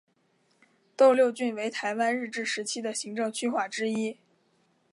斗六郡为台湾日治时期的行政区划之一。